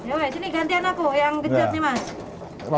oke gini gantian aku yang genjot nih mas